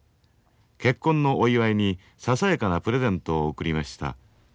結婚のお祝いにささやかなプレゼントを送りました。